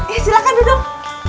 eh silahkan duduk